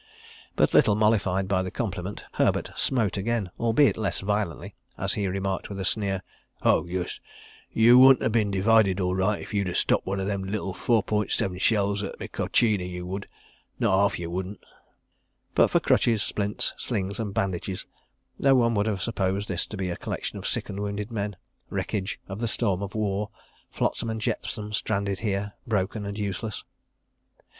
But little mollified by the compliment, Herbert smote again, albeit less violently, as he remarked with a sneer: "Ho, yus! You wouldn't a bin divided all right if you'd stopped one o' them liddle four point seven shells at Mikocheni, you would. Not 'arf, you wouldn't. ..." But for crutches, splints, slings and bandages, no one would have supposed this to be a collection of sick and wounded men, wreckage of the storm of war, flotsam and jetsam stranded here, broken and useless.